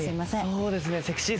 そうですね。